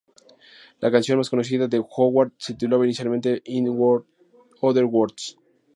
La canción más conocida de Howard se titulaba inicialmente In other Words.